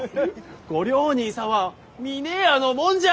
御寮人様は峰屋のもんじゃ！